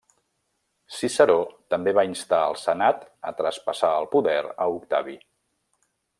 Ciceró també va instar al senat a traspassar el poder a Octavi.